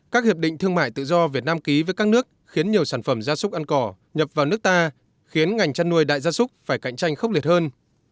các hiệp định thương mại tự do việt nam ký với các nước khiến nhiều sản phẩm gia súc ăn cỏ nhập vào nước ta khiến ngành chăn nuôi đại gia súc phải cạnh tranh khốc liệt hơn